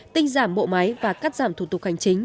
tinh giảm bộ máy và cắt giảm thủ tục hành chính